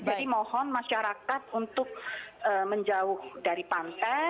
jadi mohon masyarakat untuk menjauh dari pantai